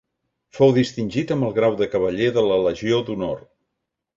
Fou distingit amb el grau de cavaller de la Legió d'Honor.